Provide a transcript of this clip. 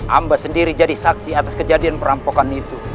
aku sendiri yang menjadi saksi atas kejadian perampokan itu